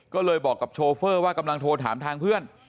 ก็เลยบอกกับโชเฟอร์ว่ากำลังโทรถามทางเพื่อน